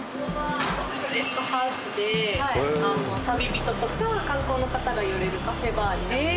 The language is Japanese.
奥がゲストハウスで旅人とか観光の方が寄れるカフェバーになってます